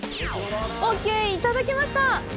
オーケーいただけました！